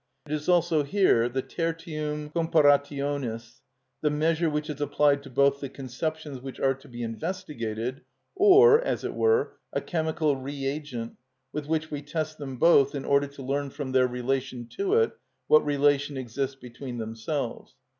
It is also here the tertium comparationis, the measure which is applied to both the conceptions which are to be investigated, or, as it were, a chemical reagent, with which we test them both in order to learn from their relation to it what relation exists between themselves.